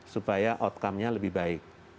supaya outcome nya lebih baik